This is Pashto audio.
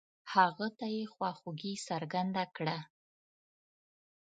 هغه ته يې خواخوږي څرګنده کړه.